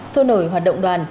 số nổi hoạt động đoàn